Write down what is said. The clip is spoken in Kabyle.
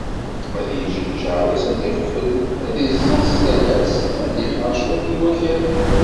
Ad yeğğ lğar-is ad iɣfel, ad issaẓ talast ad d-iḥerr cwiṭ n wakal.